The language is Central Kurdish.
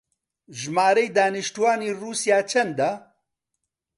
ژمارەی دانیشتووانی ڕووسیا چەندە؟